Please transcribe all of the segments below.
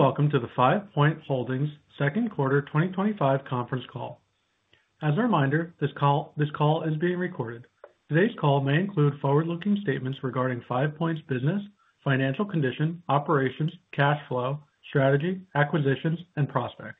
Welcome to the Five Point Holdings second quarter 2025 conference call. As a reminder, this call is being recorded. Today's call may include forward-looking statements regarding FivePoint Holdings’ business, financial condition, operations, cash flow, strategy, acquisitions, and prospects.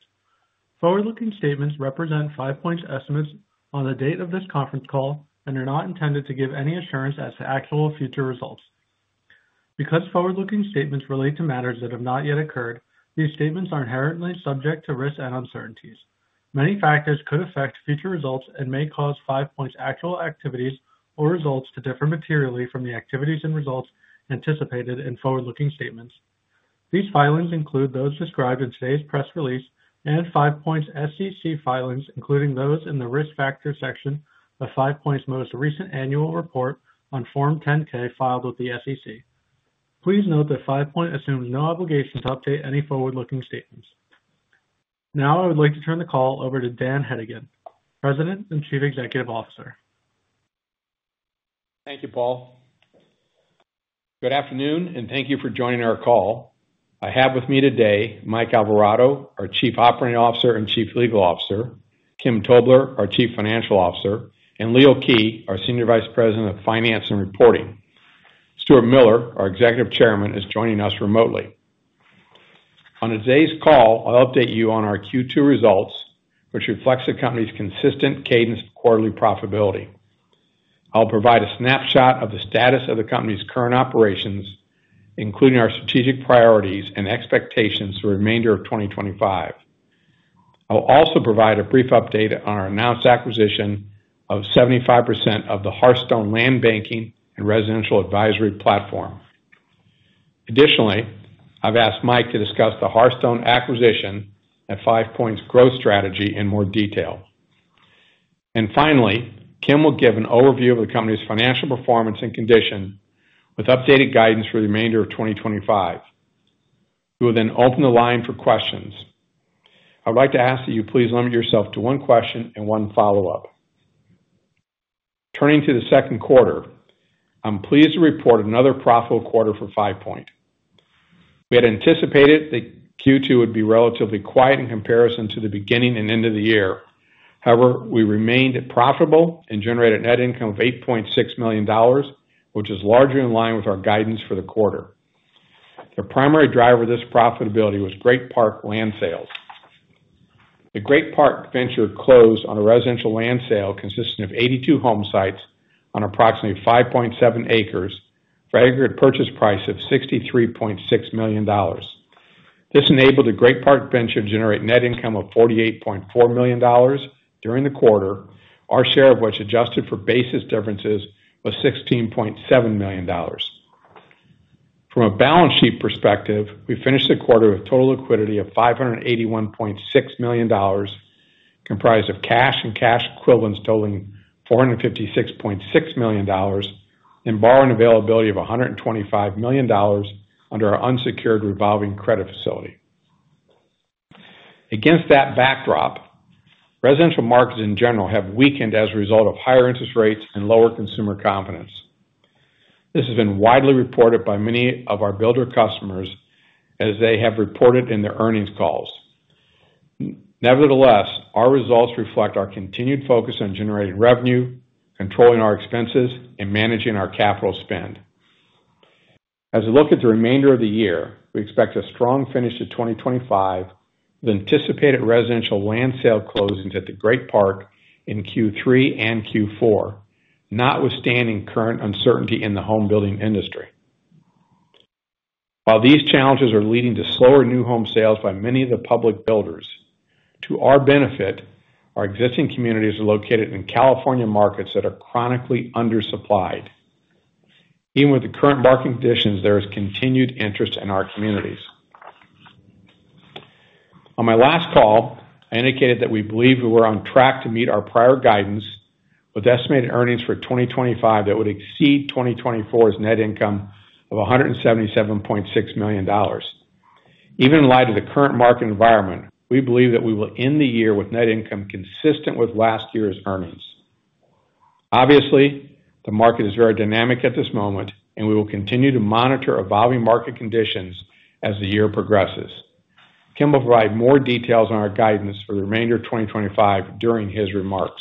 Please note that Five Point Holdings assumes no obligation to update any forward-looking statements. I would now like to turn the call over to Dan Hedigan [President and Chief Executive Officer] (FivePoint Holdings). Thank you, Paul. Good afternoon, and thank you for joining our call. I have with me today Mike Alvarado [Chief Operating Officer and Chief Legal Officer] (FivePoint Holdings); Kim Tobler [Chief Financial Officer] (FivePoint Holdings); and Leo Kij [Senior Vice President of Finance and Reporting] (FivePoint Holdings). Stuart Miller [Executive Chairman] (FivePoint Holdings) is joining us remotely. Finally, Kim will give an overview of the company's financial performance and condition with updated guidance for the remainder of 2025. We will then open the line for questions. I would like to ask that you please limit yourself to one question and one follow-up. This enabled the Great Park Venture to generate net income of $48.4 million during the quarter, our share of which, adjusted for basis differences, was $16.7 million. From a balance sheet perspective, we finished the quarter with total liquidity of $581.6 million, comprised of cash and cash equivalents totaling $456.6 million and borrowing availability of $125 million under our unsecured revolving credit facility. As we look at the remainder of the year, we expect a strong finish to 2025 with anticipated residential land sale closings at the Great Park in the third and fourth quarters, notwithstanding current uncertainty in the homebuilding industry. While these challenges are leading to slower new home sales by many of the public builders, to our benefit, our existing communities are located in California markets that are chronically undersupplied. Obviously, the market is very dynamic at this moment, and we will continue to monitor evolving market conditions as the year progresses. Kim will provide more details on our guidance for the remainder of 2025 during his remarks.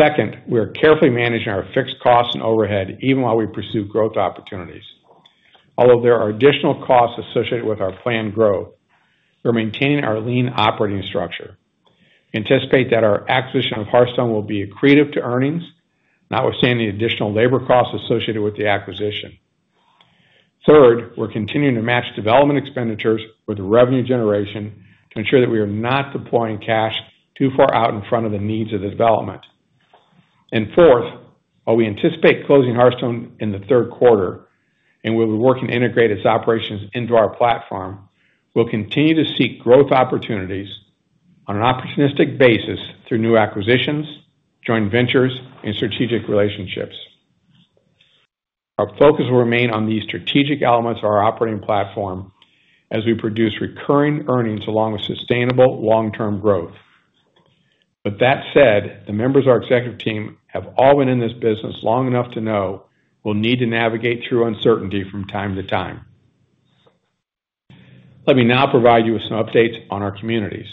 Although there are additional costs associated with our planned growth, we are maintaining our lean operating structure. We anticipate that our acquisition of Hearthstone will be accretive to earnings, notwithstanding the additional labor costs associated with the acquisition. With that said, the members of our executive team have all been in this business long enough to know we will need to navigate through uncertainty from time to time. Let me now provide you with some updates on our communities.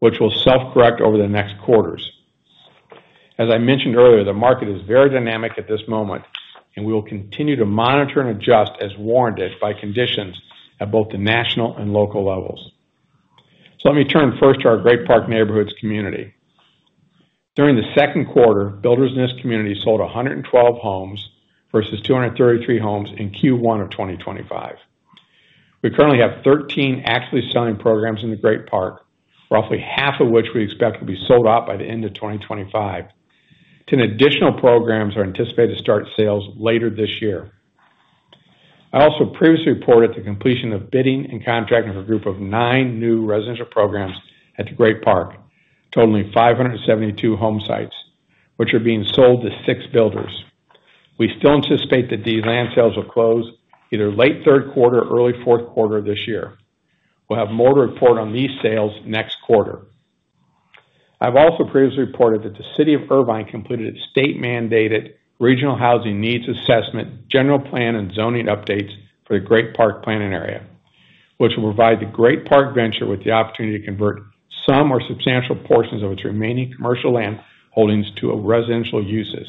During the second quarter, builders in this community sold 112 homes versus 233 homes in the first quarter of 2025. We currently have 13 actively selling programs in the Great Park, roughly half of which we expect will be sold out by the end of 2025. Ten additional programs are anticipated to start sales later this year. I've also previously reported that the City of Irvine completed its state-mandated Regional Housing Needs Assessment, General Plan, and Zoning Updates for the Great Park Planning Area, which will provide the Great Park Venture with the opportunity to convert some or substantial portions of its remaining commercial land holdings to residential uses.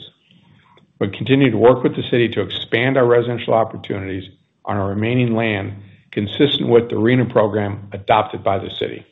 We continue to work with the City to expand our residential opportunities on our remaining land, consistent with the RENAME program adopted by the City.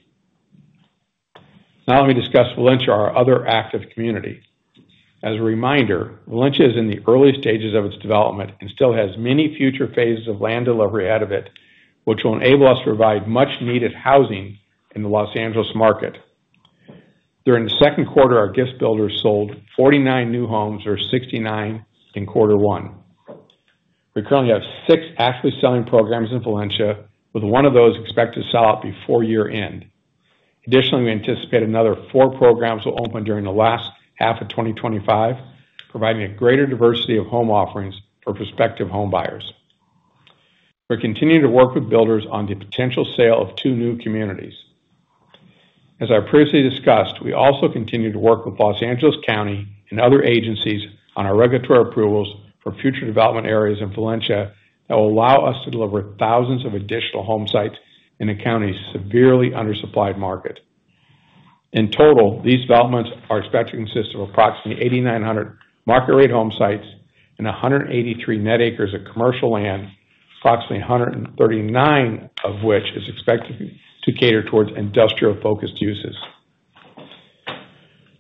We currently have six actively selling programs in Valencia, with one of those expected to sell out before year-end. Additionally, we anticipate another four programs will open during the last half of 2025, providing a greater diversity of home offerings for prospective homebuyers. We are continuing to work with builders on the potential sale of two new communities.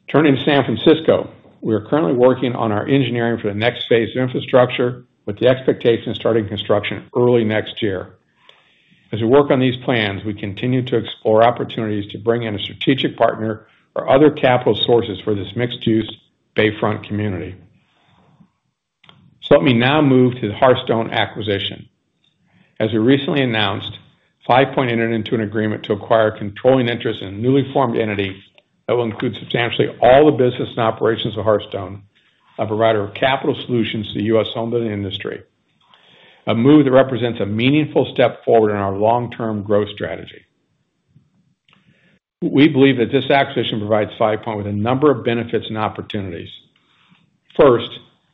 Turning to San Francisco, we are currently working on our engineering for the next phase of infrastructure, with the expectation of starting construction early next year. As we work on these plans, we continue to explore opportunities to bring in a strategic partner or other capital sources for this mixed-use Bayfront community. First, it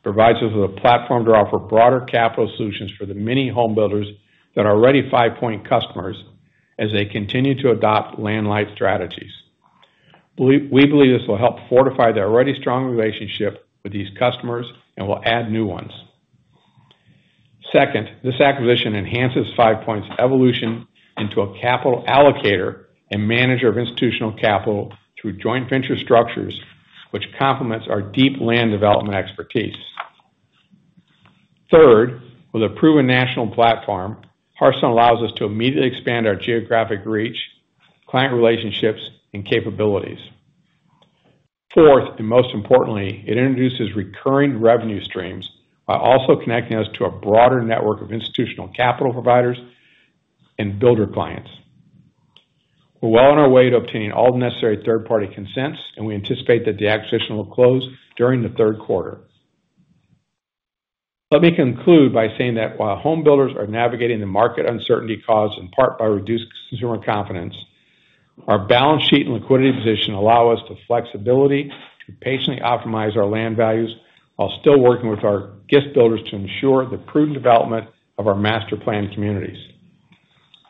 provides us with a platform to offer broader capital solutions for the many homebuilders that are already Five Point Holdings customers as they continue to adopt land-light strategies. We believe this will help fortify our already strong relationships with these customers and add new ones. Let me conclude by saying that while homebuilders are navigating the market uncertainty caused in part by reduced consumer confidence, our balance sheet and liquidity position allow us the flexibility to patiently optimize our land values while still working with our GIFT Builders to ensure the prudent development of our master-planned communities.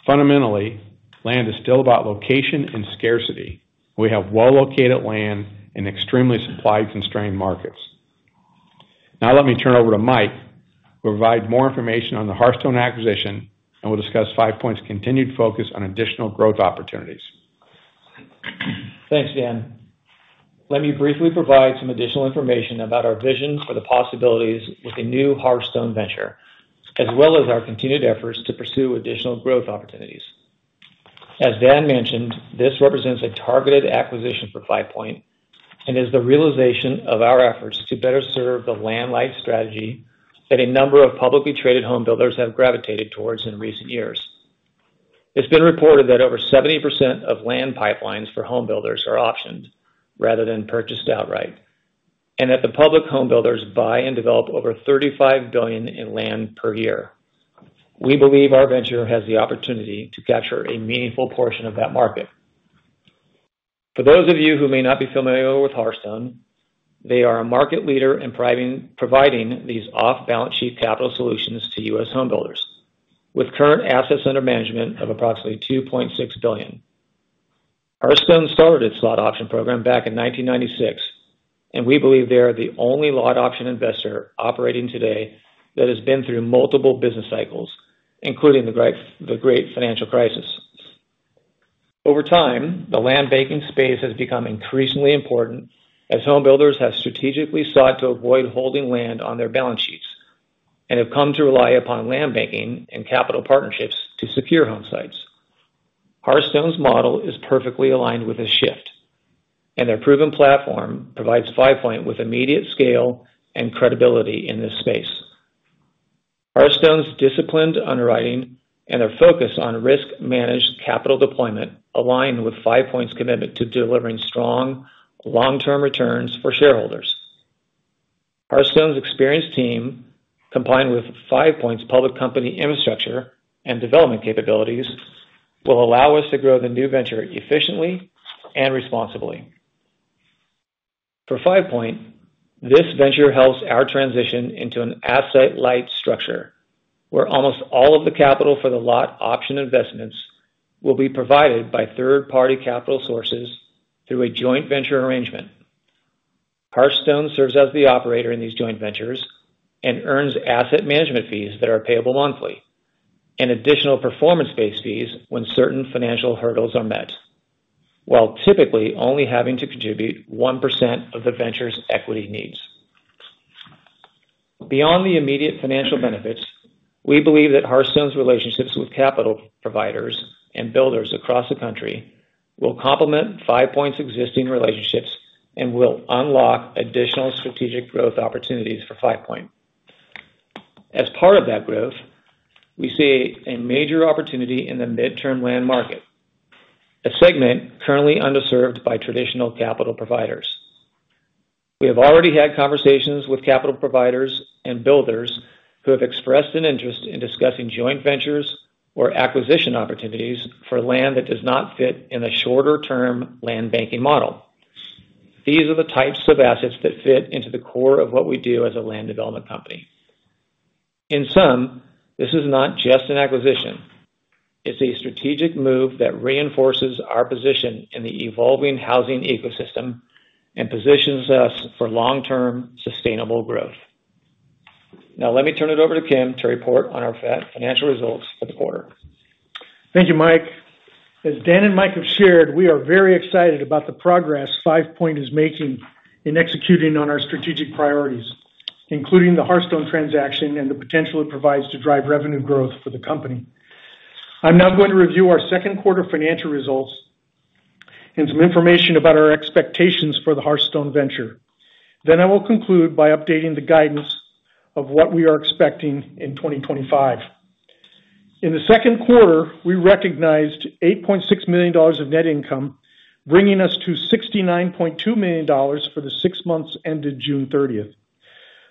Fundamentally, land is still about location and scarcity. We have well-located land in extremely supply-constrained markets. Thanks, Dan. Let me briefly provide some additional information about our vision for the possibilities with the new Hearthstone venture, as well as our continued efforts to pursue additional growth opportunities. Hearthstone serves homebuilders with current assets under management of approximately $2.6 billion. Hearthstone started its lot option program in 1996, and we believe it is the only lot option investor operating today that has been through multiple business cycles, including the Great Financial Crisis. Hearthstone’s experienced team, combined with Five Point Holdings’ public company infrastructure and development capabilities, will allow us to grow the new venture efficiently and responsibly. For Five Point Holdings, this venture supports our transition into an asset-light structure, where almost all of the capital for lot option investments will be provided by third-party capital sources through a joint venture arrangement. As part of that growth, we see a major opportunity in the midterm land market, a segment currently underserved by traditional capital providers. We have already had conversations with capital providers and builders who have expressed interest in discussing joint ventures or acquisition opportunities for land that does not fit within a shorter-term land banking model. These are the types of assets that align with the core of what we do as a land development company. Thank you, Mike. As Dan and Mike have shared, we are very excited about the progress Five Point Holdings is making in executing on our strategic priorities, including the Hearthstone transaction and the potential it provides to drive revenue growth for the company.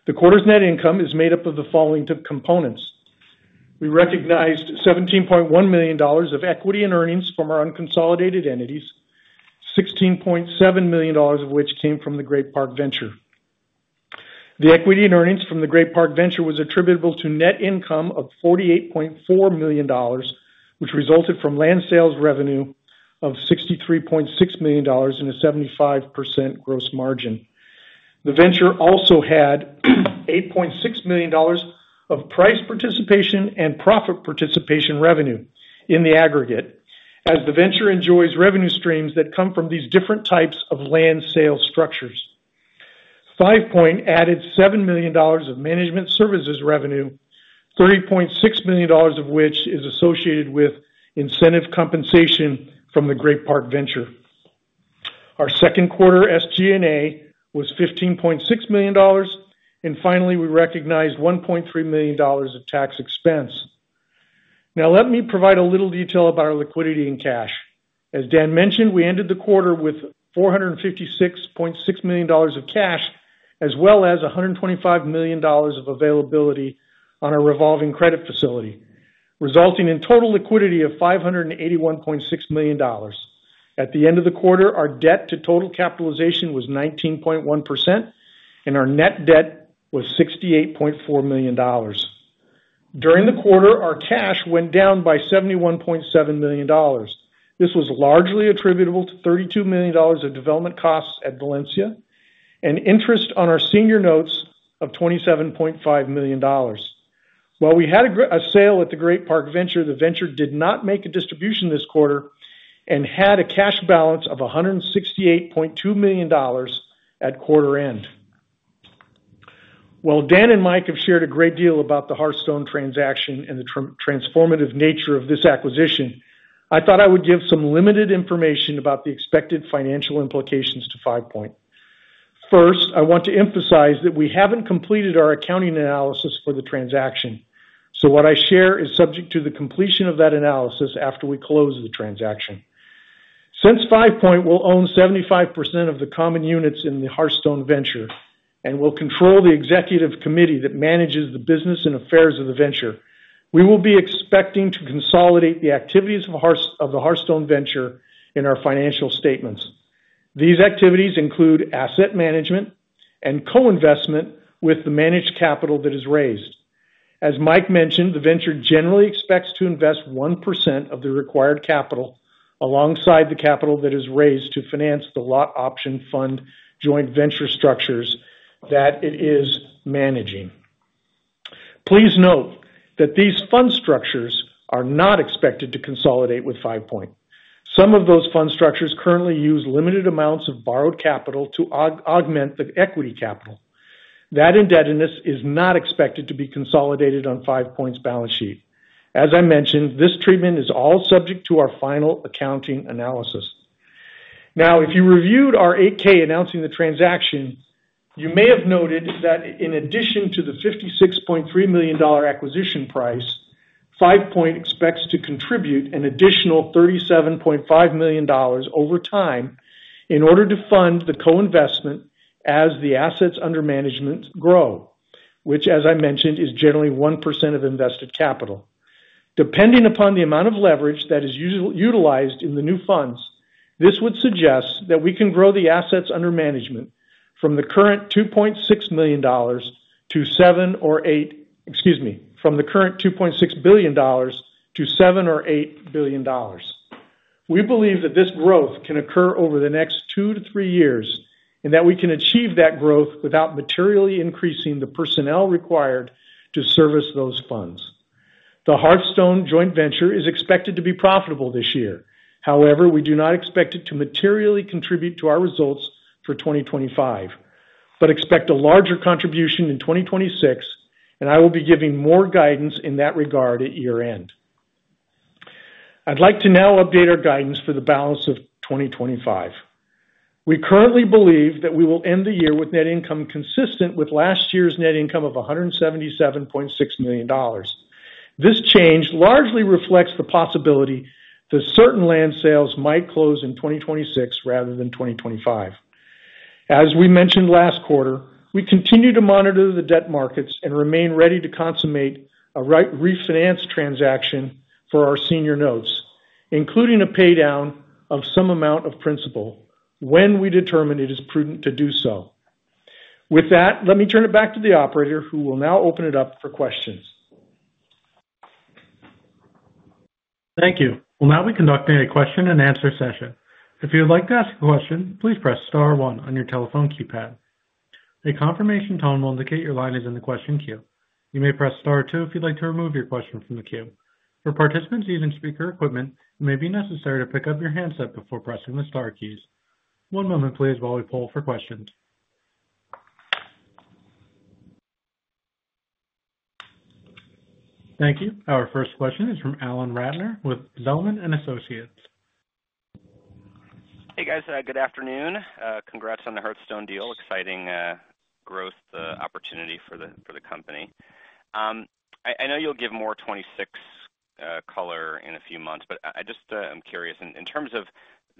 The equity in earnings from the Great Park Venture was attributable to net income of $48.4 million, which resulted from land sales revenue of $63.6 million and a 75% gross margin. The venture also had $8.6 million of price participation and profit participation revenue in the aggregate, as the venture benefits from revenue streams generated through these different types of land sales structures. At the end of the quarter, our debt to total capitalization was 19.1%, and our net debt was $68.4 million. During the quarter, our cash decreased by $71.7 million. This was largely attributable to $32 million of development costs at Valencia and interest on our senior notes of $27.5 million. Since Five Point Holdings will own 75% of the common units in the Hearthstone Venture and will control the executive committee that manages the business and affairs of the venture, we expect to consolidate the activities of the Hearthstone Venture in our financial statements. These activities include asset management and co-investment with the managed capital that is raised. If you reviewed our Form 8-K announcing the transaction, you may have noted that in addition to the $56.3 million acquisition price, Five Point Holdings expects to contribute an additional $37.5 million over time to fund the co-investment as the assets under management grow, which, as I mentioned, is generally 1% of invested capital. However, we do not expect the Hearthstone joint venture to materially contribute to our results for 2025 but anticipate a larger contribution in 2026, and I will provide more guidance in that regard at year-end. Thank you. We will now be conducting a question-and-answer session. If you would like to ask a question, please press star one on your telephone keypad. A confirmation tone will indicate your line is in the question queue. You may press star two if you would like to remove your question from the queue. Hey, everyone. Good afternoon, and congratulations on the Hearthstone deal — it’s an exciting growth opportunity for the company. I know you will provide more detail in a few months, but I am just curious, in terms of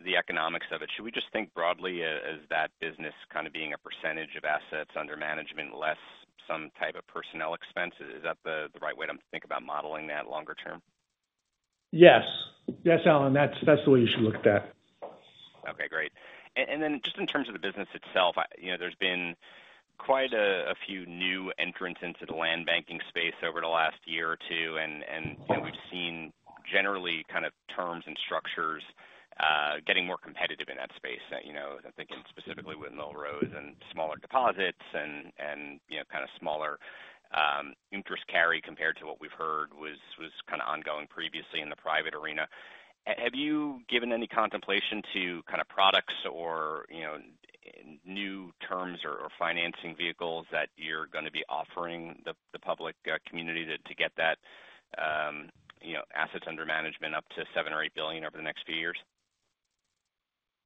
the economics of it, should we think broadly of that business as being a percentage of assets under management, less some type of personnel expenses? Is that the right way to think about modeling it longer term? Yes, Alan. That is the way you should look at that. Okay, great. In terms of the business itself, there have been quite a few new entrants into the land banking space over the last year or two, and we have seen terms and structures becoming more competitive in that space. I am thinking specifically about Millrose and other groups offering smaller deposits and lower interest carry compared to what we had seen previously in the private arena.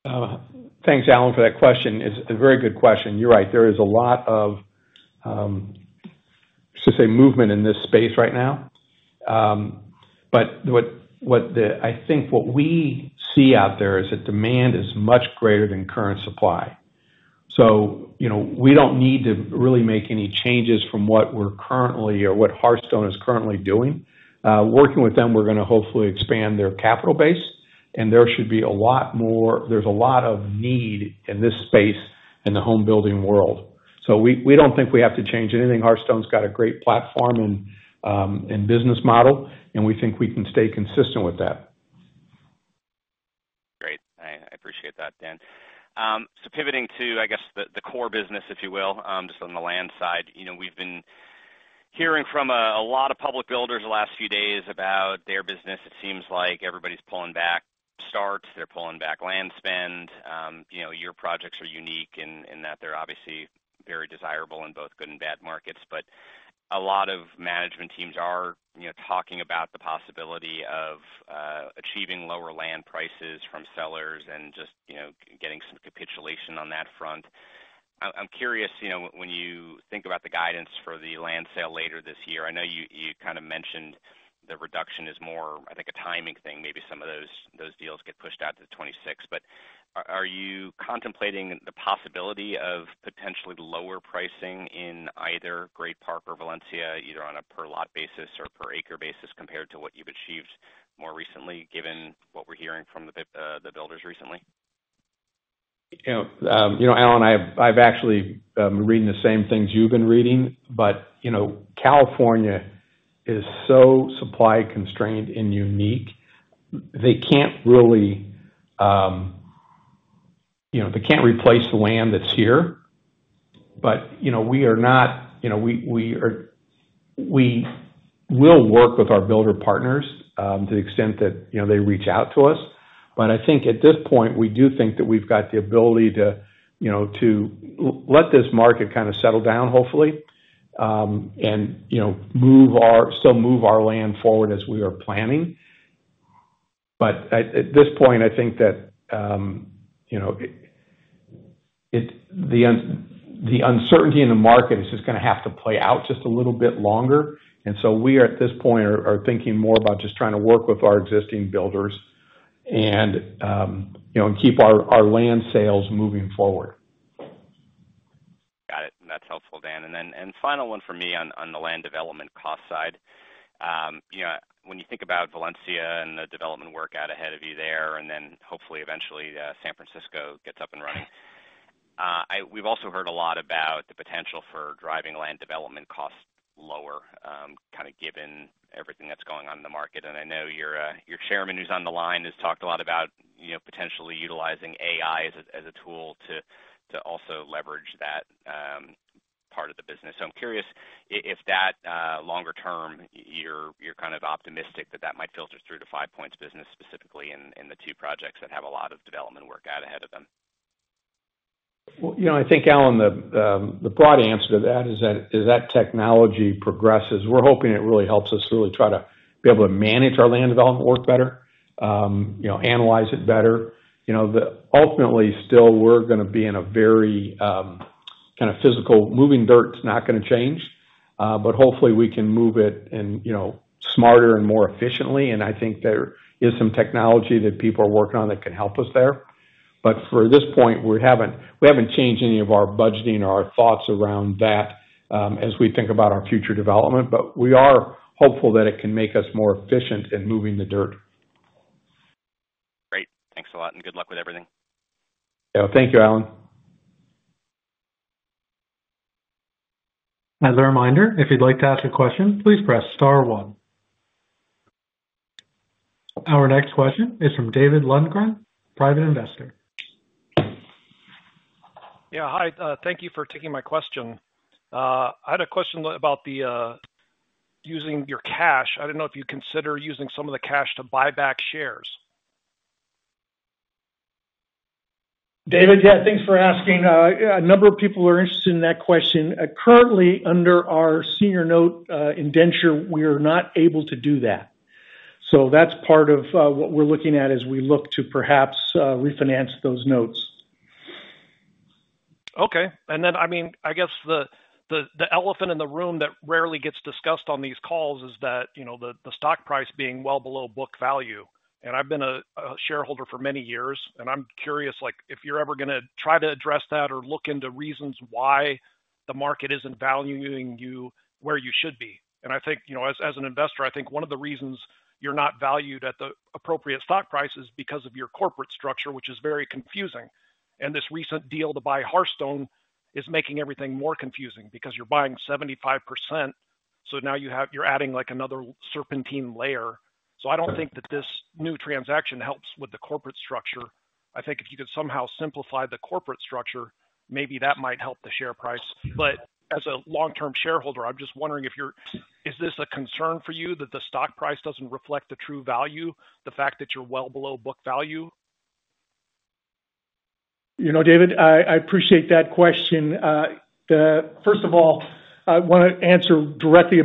Thanks, Alan, for that question. It’s a very good question. You’re right — there is a lot of movement in this space right now. What we see is that demand is much greater than current supply. We don’t need to make any changes to what we’re currently doing or what Hearthstone is currently doing. Working with them, we expect to expand their capital base, and there should continue to be strong demand in the homebuilding market. We don’t think we have to change anything. Hearthstone has a great platform and business model, and we believe we can stay consistent with that. Great, I appreciate that, Dan. Pivoting to the core business — on the land side — we’ve been hearing from many public builders over the last few days about their business. It seems like everyone is pulling back on starts and land spend. Maybe some of those deals get pushed out to 2026, but are you contemplating the possibility of lower pricing in either Great Park or Valencia — whether on a per-lot basis or per-acre basis — compared to what you’ve achieved more recently, given what we’re hearing from builders lately? You know, Alan, I’ve been reading the same things you’ve been reading, but California is so supply-constrained and unique. You really can’t replace the land that’s here. We will work with our builder partners to the extent that they reach out to us. Got it, that’s helpful, Dan. One final question from me on the land development cost side. When you think about Valencia and the development work ahead of you there — and hopefully, eventually, San Francisco gets up and running — we’ve heard quite a bit about the potential for driving land development costs lower, given everything going on in the market. I think, Alan, the broad answer to that is yes. As that technology progresses, we’re hopeful it will help us manage our land development work more effectively and analyze it more accurately. Ultimately, we’ll still be doing very physical work — moving dirt doesn’t change — but hopefully we can do it smarter and more efficiently. Great. Thanks a lot, and good luck with everything. Yeah, thank you, Alan. As a reminder, if you'd like to ask a question, please press star one. Our next question is from David Lundgren, private investor. Hi, thank you for taking my question. I had a question about using your cash. Have you considered using some of that cash to buy back shares? David, thanks for asking. A number of people are interested in that question. Currently, under our senior note indenture, we are not permitted to do that. That restriction is one of the factors we are evaluating as we consider refinancing those notes. Okay. I guess the elephant in the room that rarely gets discussed on these calls is the stock price being well below book value. I’ve been a shareholder for many years, and I’m curious whether you’re planning to address that or look into why the market isn’t valuing the company as it should be. Ithink one of the reasons you’re not valued appropriately in the market is because of your corporate structure — it’s very confusing. This recent deal to buy Hearthstone makes things even more complex since you’re acquiring 75%, which adds another serpentine layer. David, I appreciate that question. First, to address Hearthstone directly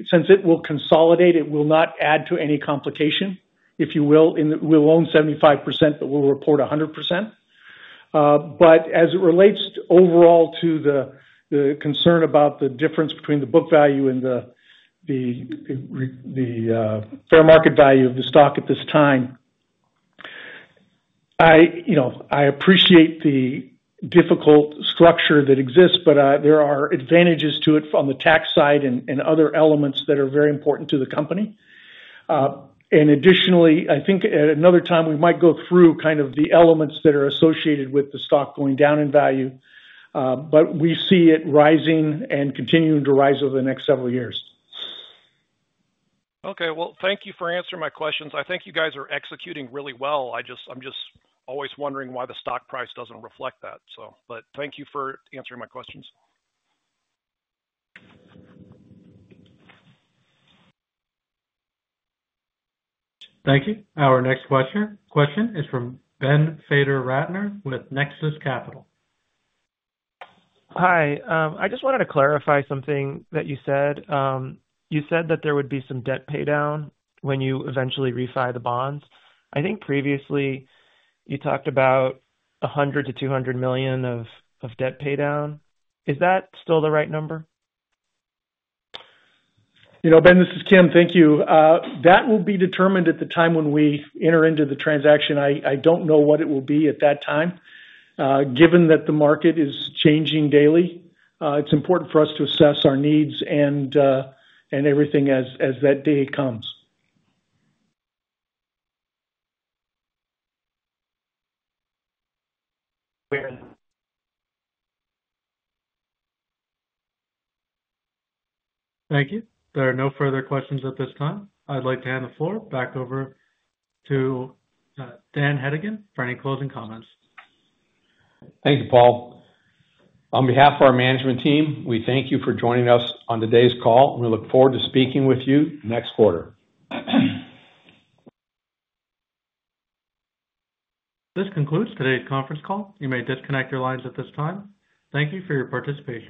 — because it will consolidate, it will not add any additional complexity. We will own 75%, but we will report 100%. As it relates to the overall concern about the difference between book value and the fair market value of the stock at this time, I understand the structural complexity that exists. However, there are advantages to that structure, particularly on the tax side and in other areas that are very important to the company. Thank you for answering my questions. I think you’re executing really well — I just always wonder why the stock price doesn’t reflect that. Thank you. Our next question is from Ben Fader-Rattner [Analyst] (Nexus Capital). Hi, I just wanted to clarify something you said. You mentioned there would be some debt paydown when you eventually refinance the bonds. I think previously you talked about $100 million to $200 million of debt paydown. Is that still the right number? You know, Ben, this is Kim — thank you. That will be determined at the time we enter into the transaction. I don’t know what the exact number will be at that point. Given that the market is changing daily, it’s important for us to assess our needs and the broader environment when that time comes. Thank you. There are no further questions at this time. I’d like to hand the floor back over to Dan Hedigan [President and Chief Executive Officer] (Five Point Holdings) for any closing comments. Thank you, Paul. On behalf of our management team, we thank you for joining us on today’s call, and we look forward to speaking with you next quarter. This concludes today’s conference call. You may disconnect your lines at this time. Thank you for your participation.